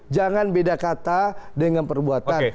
jangan beda kata dengan perbuatan